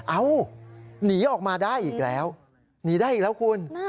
หนีออกมาได้อีกแล้วหนีได้อีกแล้วคุณ